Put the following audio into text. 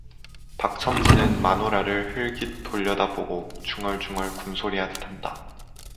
박첨지는 마누라를 흘깃 돌려다보고 중얼중얼 군소리하듯 한다.